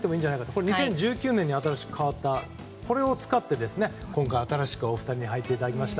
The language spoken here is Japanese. これは２０１９年に新しく変わったのを使って今回新しくお二人に入っていただきました。